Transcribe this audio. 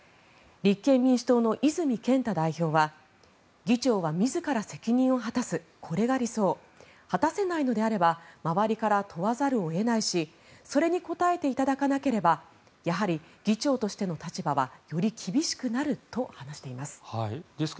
立憲民主党の泉健太代表は議長は自ら責任を果たすこれが理想果たせないのであれば周りから問わざるを得ないしそれに応えていただかなければやはり議長としての立場はより厳しくなると話しています。